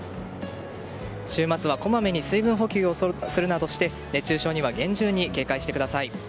週末は、こまめに水分補給をするなどして熱中症には厳重に警戒してください。